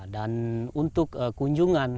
dan untuk kunjungan